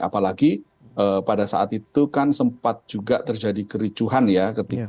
apalagi pada saat itu kan sempat juga terjadi kericuhan ya